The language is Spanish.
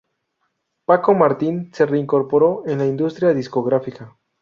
Paco Martín se reincorporó en la industria discográfica.